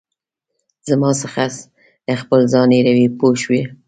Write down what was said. زما څخه خپل ځان هېروې پوه شوې!.